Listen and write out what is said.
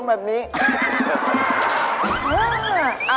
ไม่ไปเลย